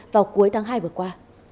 vào cuối tháng hai vừa qua